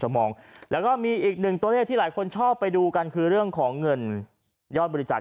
โมงแล้วก็มีอีกหนึ่งตัวเลขที่หลายคนชอบไปดูกันคือเรื่องของเงินยอดบริจาค